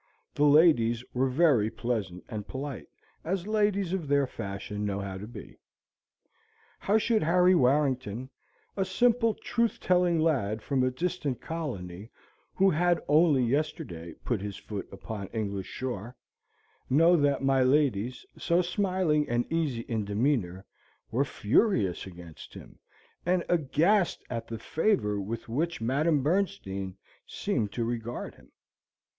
The ladies were very pleasant and polite, as ladies of their fashion know how to be. How should Harry Warrington, a simple truth telling lad from a distant colony, who had only yesterday put his foot upon English shore, know that my ladies, so smiling and easy in demeanour, were furious against him, and aghast at the favour with which Madam Bernstein seemed to regard him?